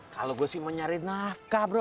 kalau gue sih mau nyari nafkah bro